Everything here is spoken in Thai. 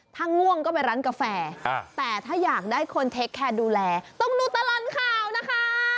ถ้าง่วงก็ไปร้านกาแฟแต่ถ้าอยากได้คนเทคแคร์ดูแลต้องดูตลอดข่าวนะคะ